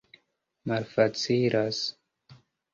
malfacilas